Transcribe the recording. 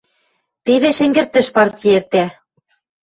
Теве шӹнгӹртӹш партьы эртӓ.